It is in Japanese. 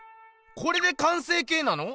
これで完成形なの？